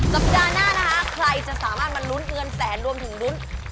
สัปดาห์หน้านะคะใครจะสามารถมาลุ้นเงินแสนรวมถึงลุ้น